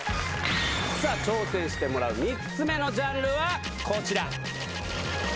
さぁ挑戦してもらう３つ目のジャンルはこちら。